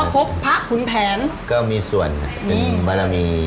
เช้นบอกว่าพบพระขุนแผน